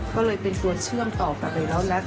ก็เลยเป็นตัวเชื่อมต่อกันเลยแล้ว